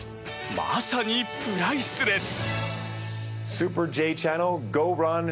まさにプライスレス！